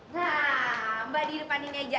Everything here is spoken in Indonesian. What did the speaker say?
nah mbak di depan ini aja